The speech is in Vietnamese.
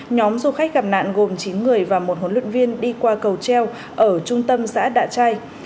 nhóm du khách gặp nạn gồm chín người và một huấn luyện viên đi qua cầu treo ở trung tâm xã đạ trai